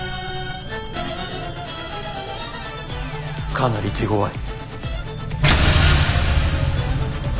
かなり手ごわい。